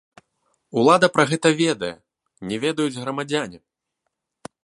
Улада пра гэта ведае, не ведаюць грамадзяне.